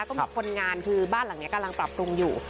ก็มีคนงานคือบ้านหลังนี้กำลังปรับปรุงอยู่